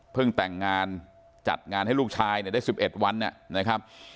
แต่งงานจัดงานให้ลูกชายเนี่ยได้๑๑วันนะครับ